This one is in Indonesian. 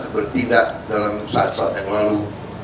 bertindak dalam saat saat yang lalu